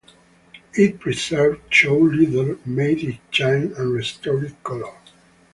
It preserved shoe leather, made it shine, and restored colour.